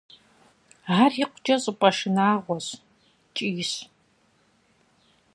Ар икъукӏэ щӏыпӏэ шынагъуэщ, ткӏийщ.